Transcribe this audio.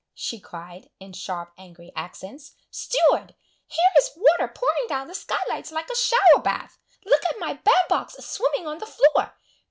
she cried, in sharp angry accents. "Steward! here is water pouring down the sky lights like a shower bath! Look at my band box swimming on the floor!